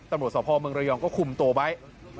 ตำรวจสภเมืองระยองก็คุมตัวไว้